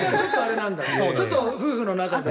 ちょっと夫婦の仲が。